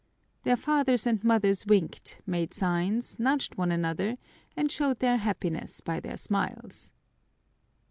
Their fathers and mothers winked, made signs, nudged one another, and showed their happiness by their smiles.